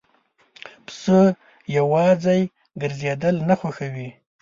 پسه یواځی ګرځېدل نه خوښوي.